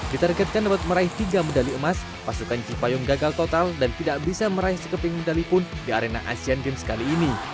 ditargetkan dapat meraih tiga medali emas pasukan cipayung gagal total dan tidak bisa meraih sekeping medali pun di arena asean games kali ini